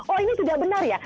oh ini tidak benar ya